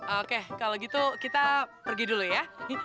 oke kalau gitu kita pergi dulu ya